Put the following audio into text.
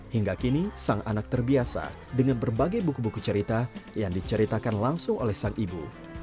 hingga kini sang anak terbiasa dengan berbagai buku buku cerita yang diceritakan langsung oleh sang ibu